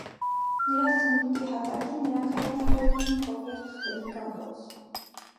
Նրա սնդուկի հատակին նրանք հայտնաբերում են փող և թղթերի կապոց։